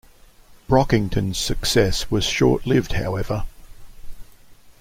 Brockington's success was short-lived, however.